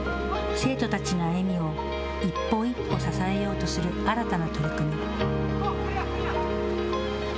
生徒たちの歩みを一歩一歩支えようとする新たな取り組み。